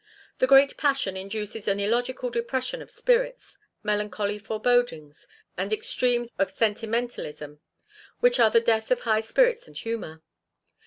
The great passion induces an illogical depression of spirits, melancholy forebodings, and extremes of sentimentalism, which are the death of high spirits and humor.